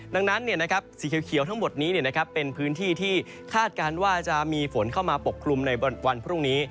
ดังนั้นสีเขียวทั้งหมดนี้เป็นพื้นที่ที่คาดการณ์ว่าจะมีฝนเข้ามาปกคลุมในวันพรุ่งนี้